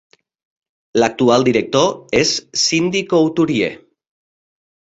L'actual director és Cindy Couturier.